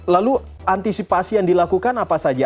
lalu antisipasi yang dilakukan apa saja